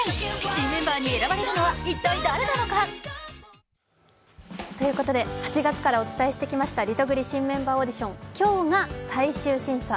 新メンバーに選ばれるのは一体誰なのか？ということで８月からお伝えしてきましたリトグリの新メンバーオーディション、今日が最終審査。